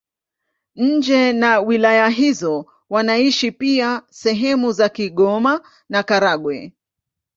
Nje na wilaya hizo wanaishi pia sehemu za Kigoma na Karagwe.